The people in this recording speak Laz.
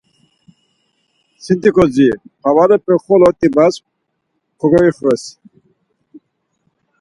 Siti kodziriyi, pavrepe xolo t̆ibas kogoixves.